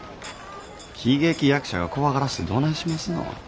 喜劇役者が怖がらしてどないしますのん。